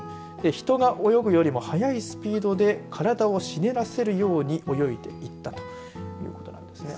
人が泳ぐよりも速いスピードで体をしならせるように泳いでいったということなんですね。